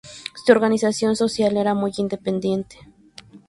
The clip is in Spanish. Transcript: Su organización social era muy independiente.